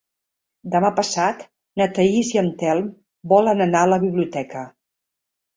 Demà passat na Thaís i en Telm volen anar a la biblioteca.